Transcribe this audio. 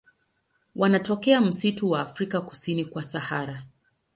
Wanatokea misitu ya Afrika kusini kwa Sahara.